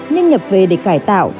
nhưng nhập về để cải tạo